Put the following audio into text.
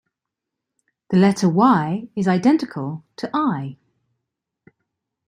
The letter "y" is identical to 'i'.